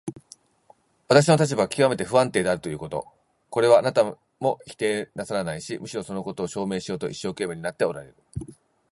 私の立場がきわめて不安定であるということ、これはあなたも否定なさらないし、むしろそのことを証明しようと一生懸命になっておられる。